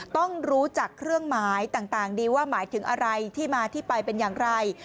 ต้องรู้จักเครื่องหมายต่างดีว่าหมายถึงอะไรที่มาที่ไปเป็นอย่างไร